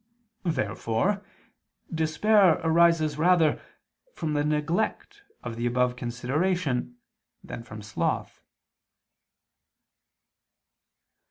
Therefore despair arises rather from the neglect of the above consideration than from sloth.